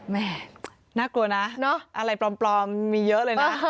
แม่น่ากลัวนะอะไรปลอมมีเยอะเลยนะ